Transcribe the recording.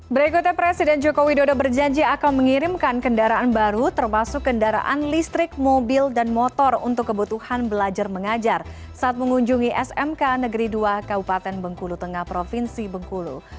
berikutnya presiden joko widodo berjanji akan mengirimkan kendaraan baru termasuk kendaraan listrik mobil dan motor untuk kebutuhan belajar mengajar saat mengunjungi smk negeri dua kabupaten bengkulu tengah provinsi bengkulu